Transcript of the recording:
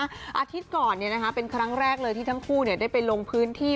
อาทิตย์ก่อนเป็นครั้งแรกเลยที่ทั้งคู่ได้ไปลงพื้นที่